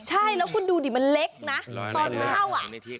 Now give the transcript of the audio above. ใช่แล้วคุณดูดิมันเล็กนะตอนเข้าอ่ะ